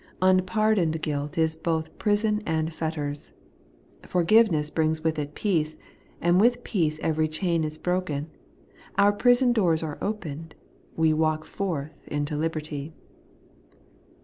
Unpardoned guilt is both prison and fetters. Forgiveness brings with it peace; and with peace every chain is broken : our prison doors are opened ; we walk forth into liberty.